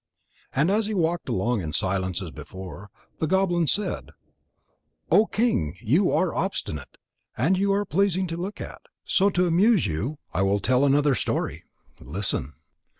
And as he walked along in silence as before, the goblin said: "O King, you are obstinate, and you are pleasing to look at. So to amuse you, I will tell another story. Listen."